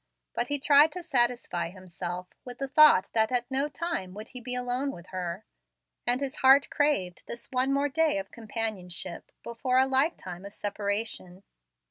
But he tried to satisfy himself with the thought that at no time would he be alone with her; and his heart craved this one more day of companionship, before a lifetime of separation.